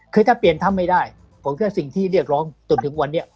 คือถ้าเปลี่ยนถ้ำไม่ได้ผมแค่สิ่งที่เรียกร้องจนถึงวันนี้